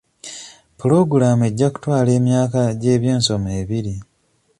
Puloogulaamu ejja kutwala emyaka gy'ebyensoma ebiri.